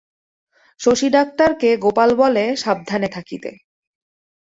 শশী ডাক্তারকে গোপাল বলে সাবধানে থাকিতে।